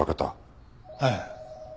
ええ。